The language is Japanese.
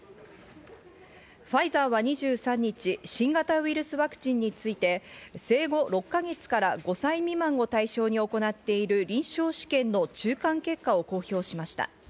ファイザーは２３日、新型ウイルスワクチンについて、生後６か月から５歳未満を対象に行っている臨床試験の中間結果を公表しました。